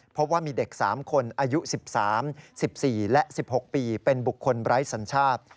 เพราะว่ามีเด็ก๓คนอายุ๑๓๑๔และ๑๖ปีเป็นบุคคลไร้สัญชาติ